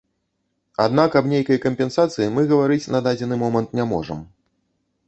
Аднак аб нейкай кампенсацыі мы гаварыць на дадзены момант не можам.